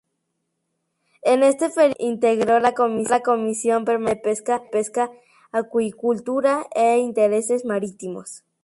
En este período integró la comisión permanente de Pesca, Acuicultura e Intereses Marítimos.